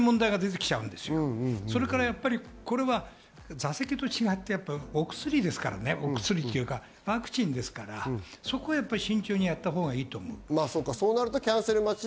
それからこれは座席と違ってお薬、ワクチンですから、そこは慎重にやったほうがいいと思う。